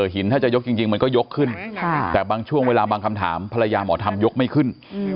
หินถ้าจะยกจริงมันก็ยกขึ้นแต่บางช่วงเวลาบางคำถามภรรยาหมอทำยกไม่ขึ้น